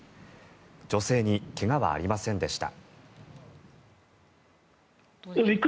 女性に怪我はありませんでした。